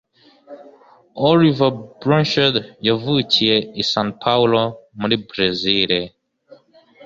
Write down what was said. Olivier Blanchard, yavugiye i San Paulo muri Burezili,